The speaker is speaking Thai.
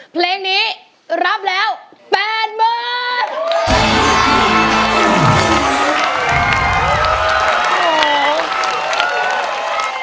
เพลงนี้รับแล้ว๘๐๐๐บาท